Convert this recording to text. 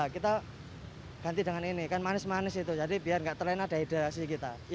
kita ganti dengan ini kan manis manis itu jadi biar nggak terlena dehidrasi kita